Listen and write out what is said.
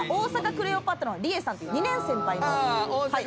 クレオパトラのりえさんっていう２年先輩なんです。